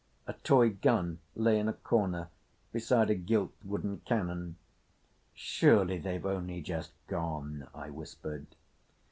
A toy gun lay in a corner beside a gilt wooden cannon. "Surely they've only just gone," I whispered.